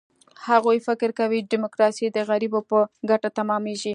هغوی فکر کوي، ډیموکراسي د غریبو په ګټه تمامېږي.